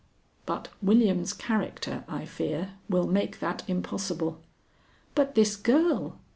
But William's character, I fear, will make that impossible." "But this girl?